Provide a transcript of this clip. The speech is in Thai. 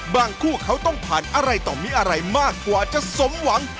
คู่เขาต้องผ่านอะไรต่อมีอะไรมากกว่าจะสมหวัง